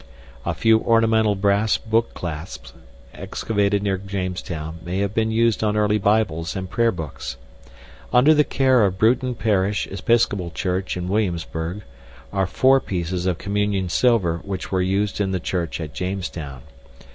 A few ornamental brass book clasps excavated near Jamestown may have been used on early Bibles and Prayer Books. Under the care of Bruton Parish Episcopal Church in Willamsburg are four pieces of communion silver which were used in the church at Jamestown.